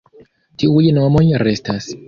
Tiuj nomoj restas.